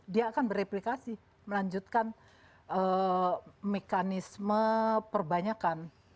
dia akan bereplikasi melanjutkan mekanisme perbanyakan